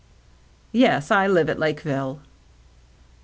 « Yes, I live at Lakeville."